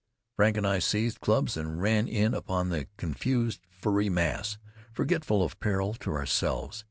Frank and I seized clubs and ran in upon the confused furry mass, forgetful of peril to ourselves.